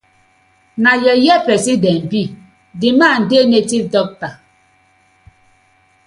Na yeye pesin dem bi, di man dey native dokta.